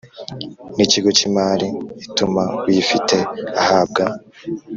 N Ikigo Cy Imari Ituma Uyifite Ahabwa